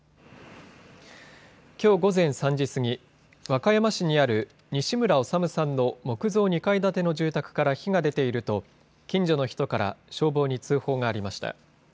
きょう午前３時過ぎ、和歌山市にある西村治さんの木造２階建ての住宅から火が出ていると近所の人から消防に通報がありました。